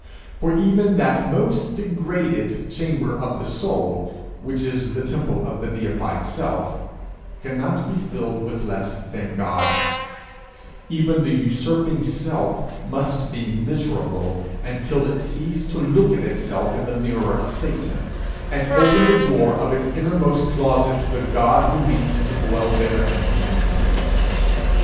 For even that most degraded chamber of the soul which is the temple of the deified Self, cannot be filled with less than God; even the usurping Self must be miserable until it cease to look at itself in the mirror of Satan, and open the door of its innermost closet to the God who means to dwell there, and make peace.